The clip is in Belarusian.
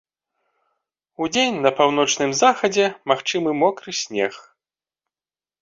Удзень на паўночным захадзе магчымы мокры снег.